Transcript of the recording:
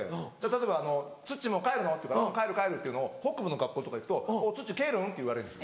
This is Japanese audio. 例えば「つっちーもう帰るの？」「帰る帰る」っていうのを北部の学校とか行くと「つっちーけぇるん？」って言われるんです。